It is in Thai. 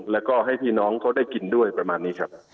แล้วก็ให้พี่น้องเขาได้กินด้วยประมาณนี้ครับ